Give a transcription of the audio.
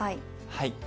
はい。